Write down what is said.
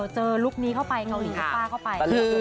เจอลุคนี้เข้าไปเกาหลีศาลเข้าไป